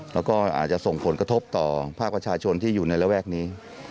แล้วก็อาจจะส่งผลกระทบต่อภาคประชาชนที่อยู่ในระแวกนี้